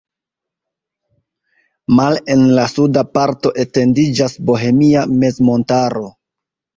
Male en la suda parto etendiĝas Bohemia mezmontaro.